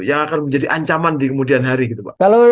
yang akan menjadi ancaman di kemudian hari gitu pak